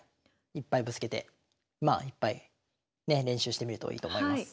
いっぱいぶつけていっぱいね練習してみるといいと思います。